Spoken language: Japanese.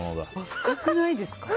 深くないですか。